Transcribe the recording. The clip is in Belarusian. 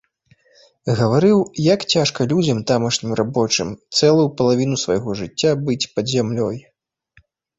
Гаварыў, як цяжка людзям, тамашнім рабочым, цэлую палавіну свайго жыцця быць пад зямлёй.